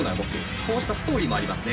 こうしたストーリーもありますね。